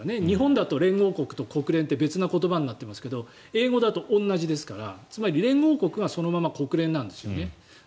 日本だと連合国と国連って別の言葉になってますけど英語だと同じですからつまり連合国はそのまま国連なんですよね。